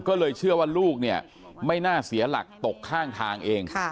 ก็เลยเชื่อว่าลูกเนี่ยไม่น่าเสียหลักตกข้างทางเอง